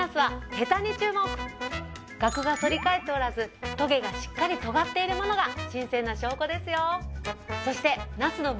ガクが反り返っておらずトゲがしっかり尖っているものが新鮮な証拠ですよ。